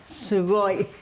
すごい。